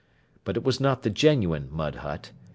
But it was not the genuine mud hut.